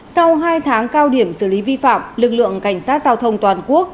sau hai tháng cao điểm xử lý vi phạm lực lượng cảnh sát giao thông toàn quốc